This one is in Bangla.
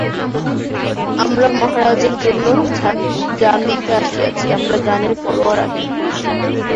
আমরা মহারাজের জন্য জান দিতে আসিয়াছি–আমরা জানের পরোয়া রাখি না।